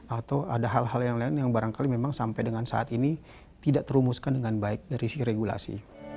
atau ada hal hal yang lain yang barangkali memang sampai dengan saat ini tidak terumuskan dengan baik dari si regulasi